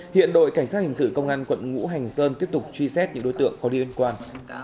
hiện đội cảnh sát hình sự công an quận ngũ hành sơn tiếp tục truy xét những đối tượng có liên quan